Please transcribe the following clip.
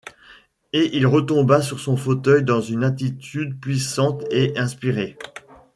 Et il retomba sur son fauteuil dans une attitude puissante et inspirée.